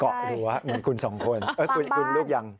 เกาะหัวเหมือนคุณสองคนคุณลูกยัง